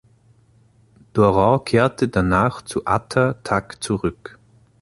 Dorau kehrte danach zu Ata Tak zurück.